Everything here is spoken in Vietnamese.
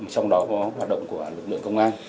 trong đó có hoạt động của lực lượng công an